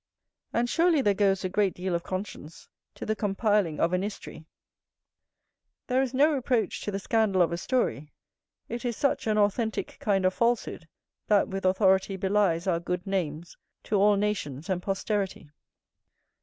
And surely there goes a great deal of conscience to the compiling of an history: there is no reproach to the scandal of a story; it is such an authentick kind of falsehood, that with authority belies our good names to all nations and posterity.